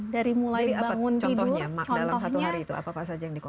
dari mulai bangun tidur